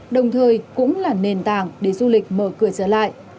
đồng thời cũng là nền tảng để du lịch mở cửa trở lại